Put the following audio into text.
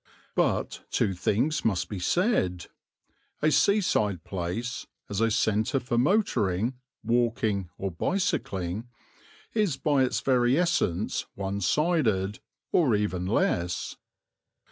But two things must be said. A seaside place, as a centre for motoring, walking or bicycling, is by its very essence one sided or even less.